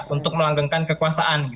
untuk melanggengkan kekuasaan